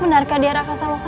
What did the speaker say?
menarka dia raka saloka